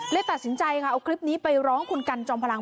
ตัดสินใจค่ะเอาคลิปนี้ไปร้องคุณกันจอมพลัง